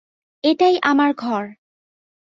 এটাই আমার ঘর!